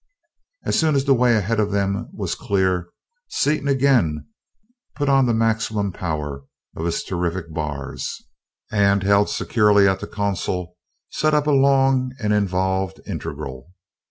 As soon as the way ahead of them was clear, Seaton again put on the maximum power of his terrific bars and, held securely at the console, set up a long and involved integral.